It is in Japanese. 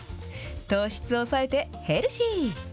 糖質を抑えてヘルシー。